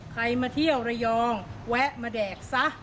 ใครมาเที่ยวระยองแวะมาแดกซะ